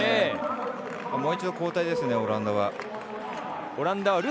もう一度交代ですオランダ。